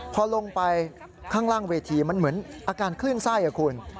พอลงไปข้างล่างเวทีมันเหมือนอาการคลื่นไส้คุณ